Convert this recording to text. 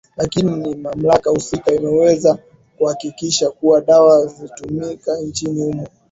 lakini mamlaka husika imeweza kuhakikisha kuwa dawa zitumikazo nchini humo